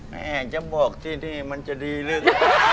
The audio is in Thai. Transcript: แม่จะบอกซิมันจะดีหรือ